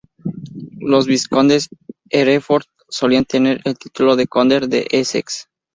Los vizcondes Hereford solían tener el título de conde de Essex.